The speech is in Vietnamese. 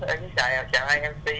em xin chào anh